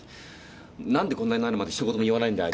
何でこんなになるまでひと言も言わないんだあいつ。